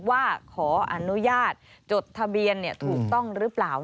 ว่าขออนุญาตจดทะเบียนถูกต้องหรือเปล่า